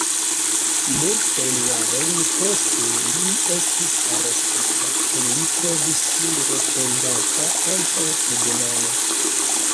Multajn jarojn poste li estis arestita, kaj li trovis sin respondanta antaŭ tribunalo.